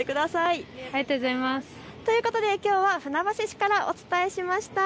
ということで、きょうは船橋市からお伝えしました。